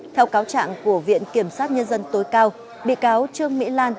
theo cáo trạng của viện kiểm sát nhân dân tối cao bị cáo trương mỹ lan